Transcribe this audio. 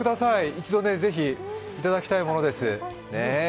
一度ぜひいただきたいものです。